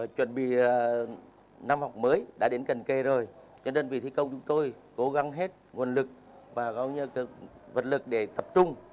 chuẩn bị năm học mới đã đến cần kề rồi cho nên vị thi công chúng tôi cố gắng hết nguồn lực và vật lực để tập trung